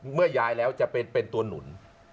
เมื่อย้ายแล้วจะเป็นตัวหนุน